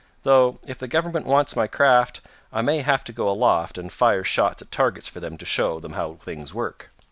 "Though, if the government wants my craft, I may have to go aloft and fire shots at targets for them to show them how things work.